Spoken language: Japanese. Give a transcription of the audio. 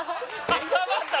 挟まった！？